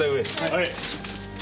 はい。